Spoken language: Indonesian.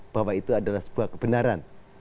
bahwa itu adalah sebuah kebenaran